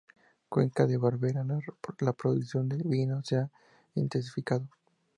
Cuenca de Barberá, la producción de vino se ha intensificado.